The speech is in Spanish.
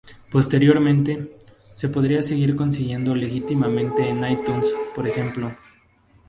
Posteriormente, se podría seguir consiguiendo legítimamente en iTunes, por ejemplo.